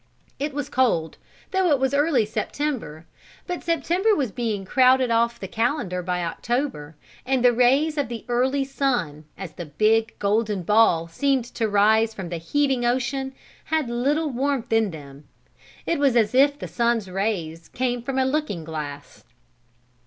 It was cold, though it was early September, but September was being crowded off the calendar by October, and the rays of the early sun, as the big, golden ball seemed to rise from the heaving ocean, had little warmth in them. It was as if the sun's rays came from a looking glass.